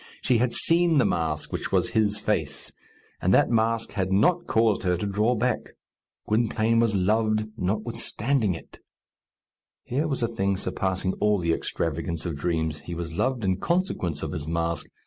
She had seen the mask which was his face; and that mask had not caused her to draw back. Gwynplaine was loved notwithstanding it! Here was a thing surpassing all the extravagance of dreams. He was loved in consequence of his mask.